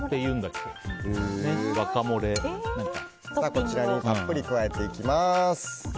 こちらにたっぷり加えていきます。